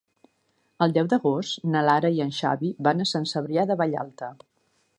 El deu d'agost na Lara i en Xavi van a Sant Cebrià de Vallalta.